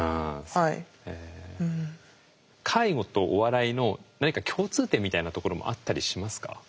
介護とお笑いの何か共通点みたいなところもあったりしますか？